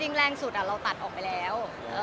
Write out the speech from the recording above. แรงสุดเราตัดออกไปแล้ว